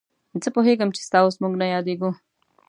زه پوهېږم چې ستا اوس موږ نه یادېږو.